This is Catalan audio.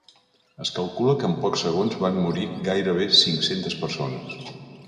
Es calcula que en pocs segons van morir gairebé cinc-centes persones.